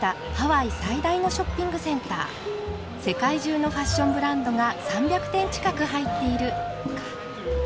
世界中のファッションブランドが３００店近く入っている」か。